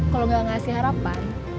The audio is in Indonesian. kalau gak ngasih harapan